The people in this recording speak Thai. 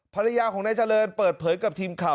ภรรยาของนายเจริญเปิดเผยกับทีมข่าว